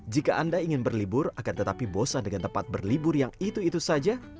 jika anda ingin berlibur akan tetapi bosan dengan tempat berlibur yang itu itu saja